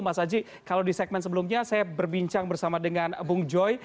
mas aji kalau di segmen sebelumnya saya berbincang bersama dengan bung joy